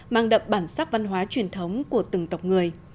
mang đậm bản sắc văn hóa truyền thống của từng tộc người